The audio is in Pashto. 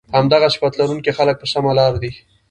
همدغه صفت لرونکي خلک په سمه لار دي